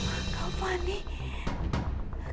aku bisa nunggu dia gitu